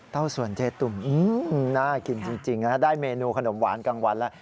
สวนเจ๊ตุ่มน่ากินจริงได้เมนูขนมหวานกลางวันแล้ว